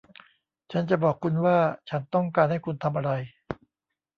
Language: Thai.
ฉันจะบอกคุณว่าฉันต้องการให้คุณทำอะไร